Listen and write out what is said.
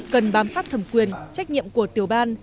cần bám sát thẩm quyền trách nhiệm của tiểu ban